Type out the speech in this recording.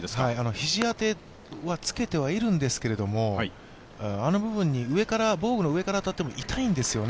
肘当てはつけてはいるんですけどあの部分に、防具の上から当たっても痛いんですよね。